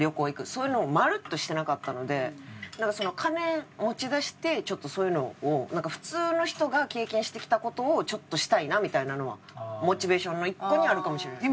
そういうのもまるっとしてなかったのでなんか金持ちだしてちょっとそういうのを普通の人が経験してきた事をちょっとしたいなみたいなのはモチベーションの１個にあるかもしれないです。